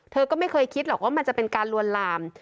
เธอก็ไม่เคยคิดหรอกว่ามันจะเป็นการลวนลาม